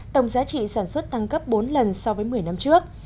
tổng giá trị sản xuất tăng gấp bốn lần so với một mươi năm trước